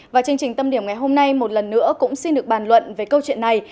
và chương trình tâm điểm ngày hôm nay một lần nữa cũng xin được bàn luận về câu chuyện này